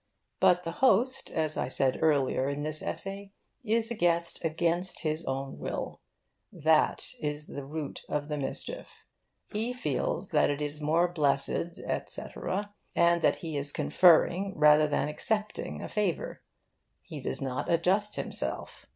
But the host, as I said earlier in this essay, is a guest against his own will. That is the root of the mischief. He feels that it is more blessed, etc., and that he is conferring rather than accepting a favour. He does not adjust himself.